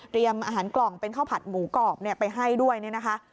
เตรียมอาหารกล่องเป็นข้าวผัดหมูกรอบไปให้ด้วยนะคะ